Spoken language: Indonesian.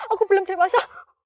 aku belum dewasa